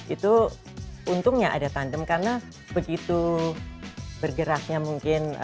itu untungnya ada tandem karena begitu bergeraknya mungkin